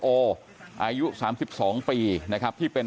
กลุ่มตัวเชียงใหม่